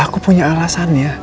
aku punya alasannya